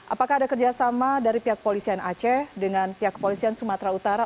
apakah ada kerjasama dari pihak polisian aceh dengan pihak kepolisian sumatera utara